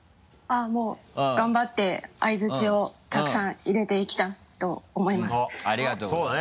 あっもう頑張って相槌をたくさん入れていきたいと思います。